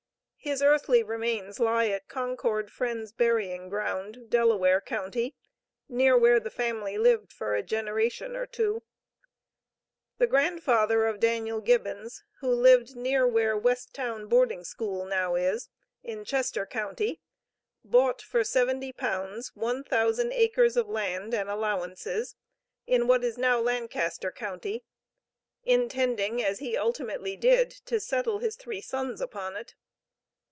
His earthly remains lie at Concord Friends' burying ground, Delaware county, near where the family lived for a generation or two. The grandfather of Daniel Gibbons, who lived near where West Town boarding school now is, in Chester county, bought for seventy pounds, "one thousand acres of land and allowances," in what is now Lancaster county, intending, as he ultimately did, to settle his three sons upon it.